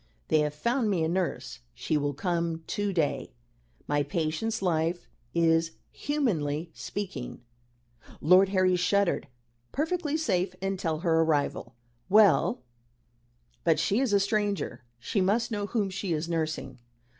"They have found me a nurse. She will come to day. My patient's life is, humanly speaking" Lord Harry shuddered "perfectly safe until her arrival." "Well but she is a stranger. She must know whom she is nursing."